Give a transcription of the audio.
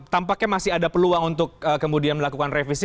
tampaknya masih ada peluang untuk kemudian melakukan revisi